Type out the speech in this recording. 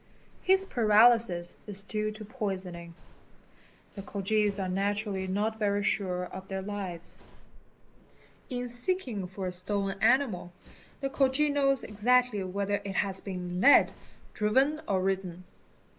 His paralysis is due to poisoning. The Khojis are naturally not very sure of their lives. | 'In seeking for a stolen animal, the Khoji knows exactly whether it has been led, driven, or ridden.